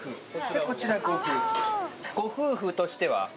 でこちらご夫婦。